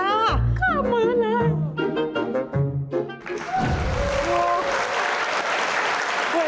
ข้ามมาเลย